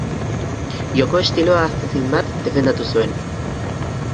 Joko estilo ahaztezin bat defendatu zuen.